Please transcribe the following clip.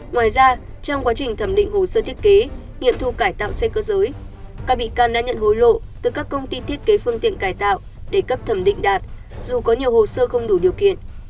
ngoài ra trong quá trình thẩm định hồ sơ thiết kế nghiệm thu cải tạo xe cơ giới các bị can đã nhận hối lộ từ các công ty thiết kế phương tiện cải tạo để cấp thẩm định đạt dù có nhiều hồ sơ không đủ điều kiện